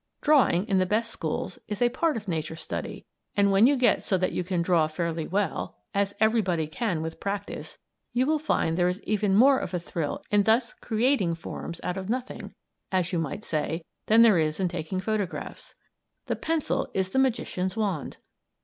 Drawing, in the best schools, is a part of Nature Study, and when you get so that you can draw fairly well as everybody can with practice you will find there is even more of a thrill in thus creating forms out of nothing, as you might say than there is in taking photographs. The pencil is a magician's wand!